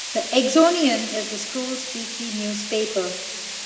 "The Exonian" is the school's weekly newspaper.